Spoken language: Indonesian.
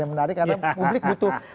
yang menarik karena publik butuh